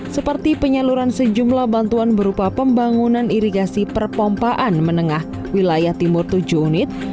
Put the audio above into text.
seperti penyaluran sejumlah bantuan berupa pembangunan irigasi perpompaan menengah wilayah timur tujuh unit